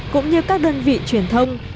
cũng như các đơn vị truyền thông